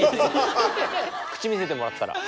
口見せてもらったら。